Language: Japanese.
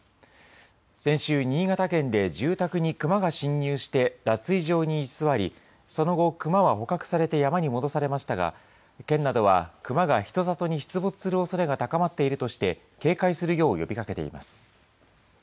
先週、新潟県で住宅にクマが侵入して脱衣場に居座り、その後、クマは捕獲されて山に戻されましたが、県などは、クマが人里に出没するおそれが高まっているとして、警戒するよう呼びかけています。